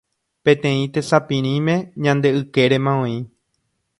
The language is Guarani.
peteĩ tesapirĩme ñande ykérema oĩ